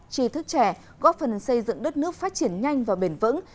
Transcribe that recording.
trí thức trẻ góp phần xây dựng đất nước phát triển nhanh và bền vững